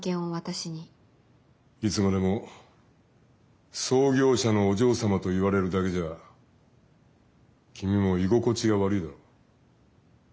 いつまでも創業者のお嬢様と言われるだけじゃ君も居心地が悪いだろう。